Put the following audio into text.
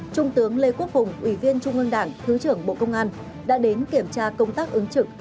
trung tướng lê quốc hùng ủy viên trung ương đảng thứ trưởng bộ công an đã đến kiểm tra công tác ứng trực